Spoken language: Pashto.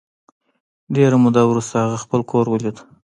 ډېره موده وروسته هغه خپل کور ولید